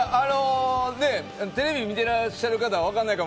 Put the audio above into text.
テレビ見てらっしゃる方はわかんないかも。